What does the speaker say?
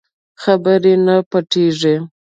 خبرې نه پټېږي.